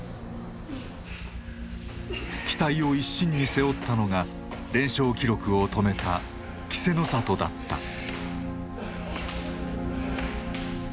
期待を一身に背負ったのが連勝記録を止めた稀勢の里だった。